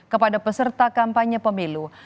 kepada peserta kampanye pemilu